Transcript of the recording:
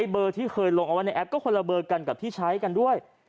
เบอร์ที่เคยลงเอาไว้ในแอปก็คนละเบอร์กันกับที่ใช้กันด้วย